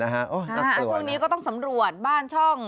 น่าเตือนนะฮะพวกนี้ก็ต้องสำรวจบ้านช่อง